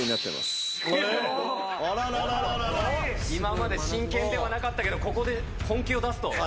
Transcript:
今まで真剣ではなかったけどここで本気を出すと。